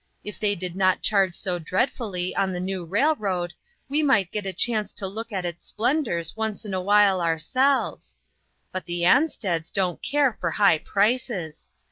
If they did not charge so dreadfully on the new rail road, we might get a chance to look at its splendors once in a while ourselves; but the 128 INTERRUPTED. Ansteds don't care for high prices.